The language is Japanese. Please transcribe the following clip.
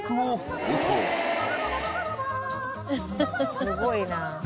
すごいな。